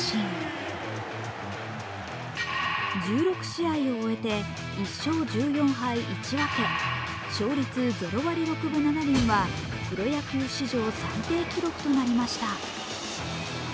１６試合を終えて１勝１４敗１分、勝率０割６分７厘は、プロ野球史上最低記録となりました。